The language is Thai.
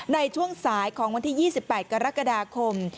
ในช่วงสายของวันที่๒๘กรกฎาคม